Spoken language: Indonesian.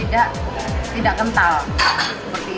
jadi tidak kental seperti itu